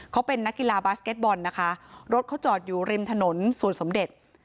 เขาเป็นนักกีฬาบาสเก็ตบอลนะคะรถเขาจอดอยู่ริมถนนส่วนสมเด็จ